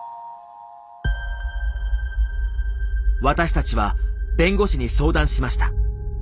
私たちは弁護士に相談しました。